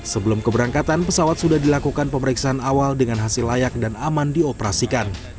sebelum keberangkatan pesawat sudah dilakukan pemeriksaan awal dengan hasil layak dan aman dioperasikan